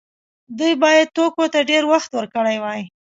دوی باید توکو ته ډیر وخت ورکړی وای.